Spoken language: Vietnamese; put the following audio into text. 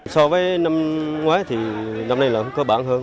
so với năm ngoái thì năm nay là cơ bản hơn